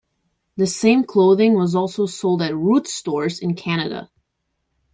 The same clothing was also sold at Roots stores in Canada.